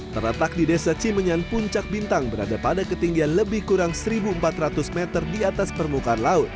terletak di desa cimenyan puncak bintang berada pada ketinggian lebih kurang satu empat ratus meter di atas permukaan laut